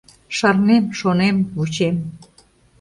Шарнем, шонем, вучем.